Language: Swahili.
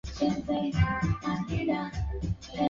aah katika mechi iliyochezwa katika uwanja wa afuraha mjini nakuru